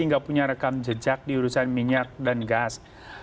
tidak punya rekam jejak di urusan minyak dan gas